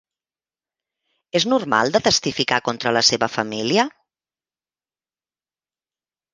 És normal de testificar contra la seva família?